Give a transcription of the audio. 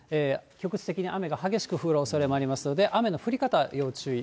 局地的に雨が激しく降るおそれもありますので、雨の降り方、要注意。